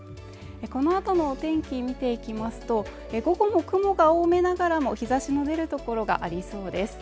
この後の天気見ていきますと午後も雲が多めながらも日差しの出るところがありそうです